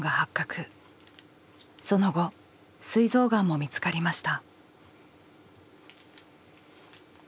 その後すい臓がんも見つかりました。